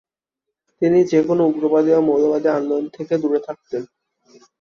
তিনি যেকোন উগ্রবাদী বা মৌলবাদী আন্দোলন থেকে দূরে থাকতেন।